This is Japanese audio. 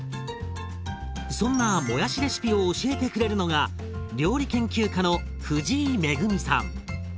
そんなもやしレシピを教えてくれるのが料理研究家の藤井恵さん。